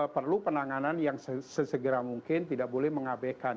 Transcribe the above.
perlu penanganan yang sesegera mungkin tidak boleh mengabekan